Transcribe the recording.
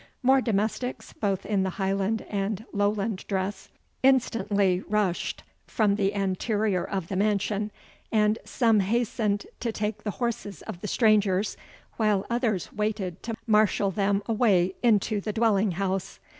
More domestics, both in the Highland and Lowland dress, instantly rushed from the anterior of the mansion, and some hastened to take the horses of the strangers, while others waited to marshal them a way into the dwelling house.